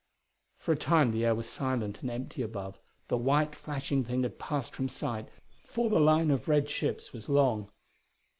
For a time the air was silent and empty above; the white, flashing thing had passed from sight, for the line of red ships was long.